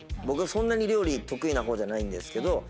僕そんなに料理得意な方じゃないんですけど。